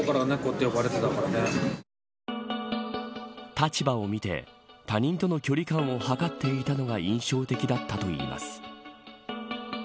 立場を見て他人との距離感を測っていたのが印象的だったといいます。